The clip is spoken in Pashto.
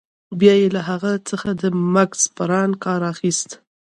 بیا يې له هغه څخه د مګس پران کار اخیست.